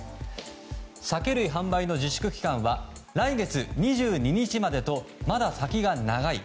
酒類販売の自粛期間は来月２２日までとまだ先が長い。